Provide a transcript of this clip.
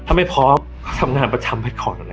ถ้าไม่พร้อมก็ทำงานประจำแท็อต